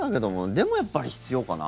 でも、やっぱり必要かな。